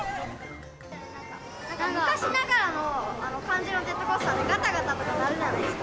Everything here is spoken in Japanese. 昔ながらの感じのジェットコースターって、中ががたがたなるじゃないですか。